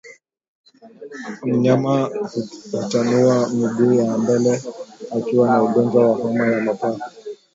Mnyama hutanua miguu ya mbele akiwa na ugonjwa wa homa ya mapafu